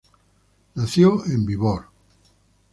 Nació en Viborg.